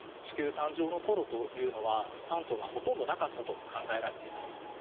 地球誕生の頃というのは酸素がほとんどなかったと考えられています。